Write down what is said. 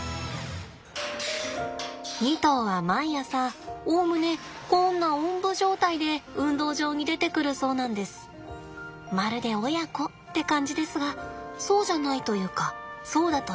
２頭は毎朝おおむねこんなおんぶ状態で運動場に出てくるそうなんです。まるで親子って感じですがそうじゃないというかそうだというか。